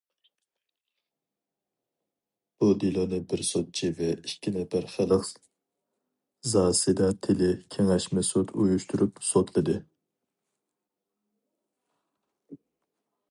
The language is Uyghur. بۇ دېلونى بىر سوتچى ۋە ئىككى نەپەر خەلق زاسېداتېلى كېڭەشمە سوت ئۇيۇشتۇرۇپ سوتلىدى.